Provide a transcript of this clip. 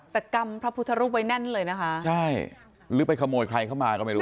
แต่กำพระพุทธรูปไว้แน่นเลยนะคะใช่หรือไปขโมยใครเข้ามาก็ไม่รู้